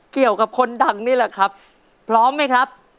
เกี่ยวกับคนดังนี่แหละครับพร้อมไหมครับ